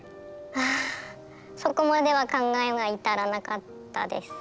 あそこまでは考えが至らなかったです。